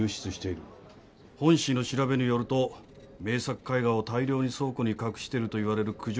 本誌の調べによると名作絵画を大量に倉庫に隠してるといわれる九条